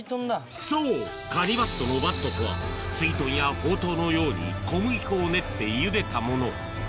そうカニばっとの「ばっと」とはすいとんやほうとうのように小麦粉を練ってゆでたもの